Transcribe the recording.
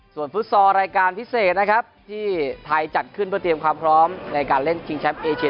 ส่วนฟุตซอลรายการพิเศษนะครับที่ไทยจัดขึ้นเพื่อเตรียมความพร้อมในการเล่นชิงแชมป์เอเชีย